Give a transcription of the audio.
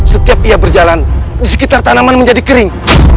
setiap ia berjalan di sekitar tanaman menjadi kering